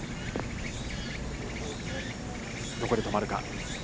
どこで止まるか。